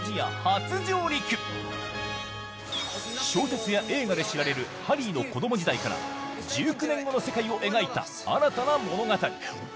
小説や映画で知られるハリーの子供時代から１９年後の世界を描いた新たな物語。